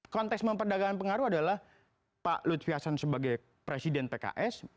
konteks memperdagangkan pengaruh adalah pak lutfi hasan sebagai presiden pks